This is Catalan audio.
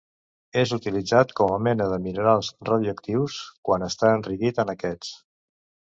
És utilitzat com a mena de minerals radioactius quan està enriquit en aquests.